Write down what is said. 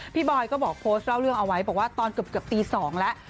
บอยก็บอกโพสต์เล่าเรื่องเอาไว้บอกว่าตอนเกือบตี๒แล้ว